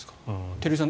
照井さん